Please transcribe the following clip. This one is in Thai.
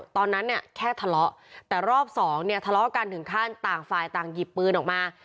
ตอนนั้นเนี่ยแค่ทะเลาะแต่รอบสองเนี่ยทะเลาะกันถึงขั้นต่างฝ่ายต่างหยิบปืนออกมา